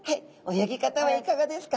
泳ぎ方はいかがですか？